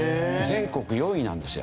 全国４位なんですよ。